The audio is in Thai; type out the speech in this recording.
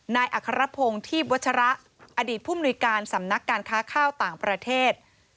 อัครพงศ์ทีพวัชระอดีตผู้มนุยการสำนักการค้าข้าวต่างประเทศ